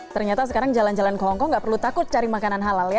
ternyata sekarang jalan jalan ke hongkong nggak perlu takut cari makanan halal ya